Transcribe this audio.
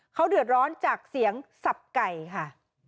เขาเดือดร้อนจากเสียงสับไก่ค่ะ